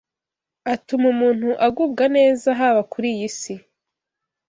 Atuma umuntu agubwa neza haba kuri iyi si